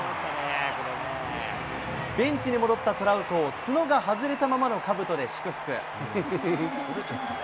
ベンチに戻ったトラウトを角が外れたままのかぶとで祝福。